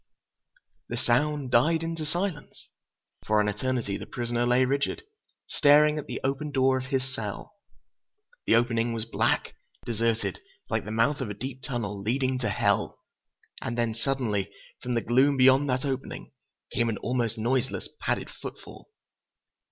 "The sound died into silence. For an eternity, the prisoner lay rigid, staring at the open door of his cell. The opening was black, deserted, like the mouth of a deep tunnel, leading to hell. And then, suddenly, from the gloom beyond that opening, came an almost noiseless, padded footfall!"